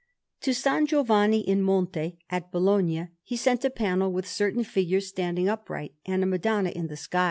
To S. Giovanni in Monte at Bologna he sent a panel with certain figures standing upright, and a Madonna in the sky.